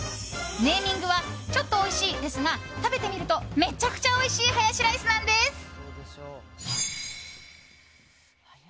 ネーミングはちょっと美味しいですが食べてみるとめちゃくちゃおいしいハヤシライスなんです。